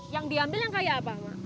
yang diambil yang kaya apa ma